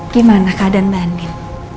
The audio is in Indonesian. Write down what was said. gimana keadaan mbak anin